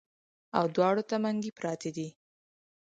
او دواړو ته منګي پراتۀ دي